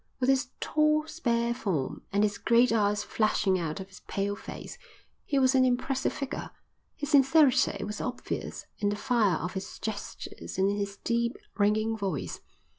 With his tall, spare form, and his great eyes flashing out of his pale face, he was an impressive figure. His sincerity was obvious in the fire of his gestures and in his deep, ringing voice.